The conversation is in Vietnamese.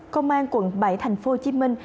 công an quận bảy thành phố hồ chí minh